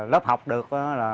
lớp học được